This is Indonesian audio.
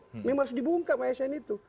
memang harus dibungkam asn itu